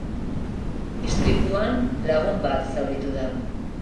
Istripuan lagun bat zauritu da.